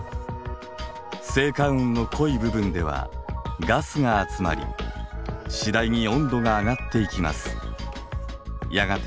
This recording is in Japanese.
星間雲の濃い部分ではガスが集まり次第に温度が上がっていきます。